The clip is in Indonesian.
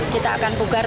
kita akan bugar